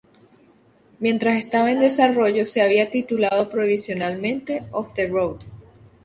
Mientras estaba en desarrollo, se había titulado provisionalmente "Off The Road".